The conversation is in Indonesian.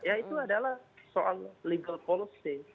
ya itu adalah soal legal policy